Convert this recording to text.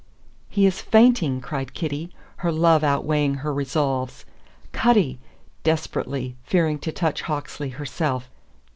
"He is fainting!" cried Kitty, her love outweighing her resolves. "Cutty!" desperately, fearing to touch Hawksley herself.